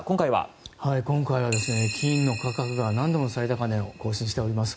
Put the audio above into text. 今回は、金の最高値が何度も最高値を更新しております。